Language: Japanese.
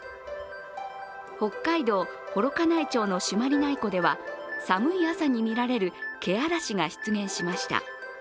北海道幌加内町の朱鞠内湖では寒い朝に見られる気嵐が出現しました。